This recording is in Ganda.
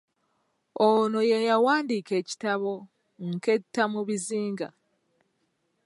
Ono ye yawandiika ekitabo “ Nketta mu bizinga".